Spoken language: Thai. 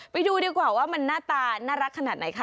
ไปดูดีกว่าว่ามันหน้าตาน่ารักขนาดไหนคะ